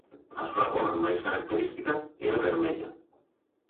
A súa cor máis característica é a vermella.